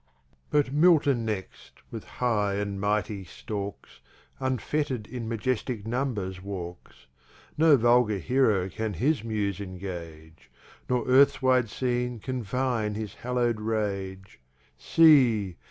But Milton next, with high and haughty stalks, Unfetter'd in Majestic Numbers walks; No vulgar Heroe can his Muse ingage; Nor Earth's wide Scene confine his hallow'd Rage. See!